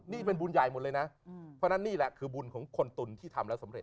นี่เป็นบุญใหญ่หมดเลยนะเพราะฉะนั้นนี่แหละคือบุญของคนตุ๋นที่ทำแล้วสำเร็